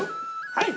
はい！